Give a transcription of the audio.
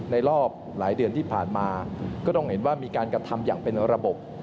ในรอบหลายเดือนที่ผ่านมาก็ต้องเห็นว่ามีการกระทำอย่างเป็นระบบ